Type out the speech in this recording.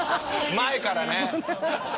前からね。